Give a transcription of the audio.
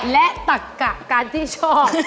และตักกะการที่ชอบ